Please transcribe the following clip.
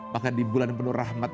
bahkan di bulan penuh rahmat